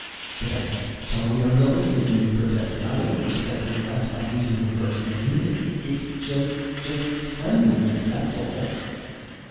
"But that's totally unrealistic!" Mead protested. "I don't respect her less by using her first name ... it's just ... just friendliness, that's all."